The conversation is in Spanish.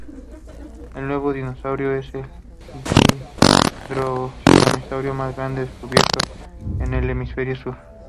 El nuevo dinosaurio es el dromeosáurido más grande descubierto en el hemisferio sur.